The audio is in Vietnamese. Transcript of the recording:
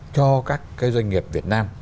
cho các cái doanh nghiệp việt nam